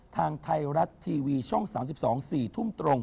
ทางไทยรัฐทีวีช่อง๓๒๔ทุ่มตรง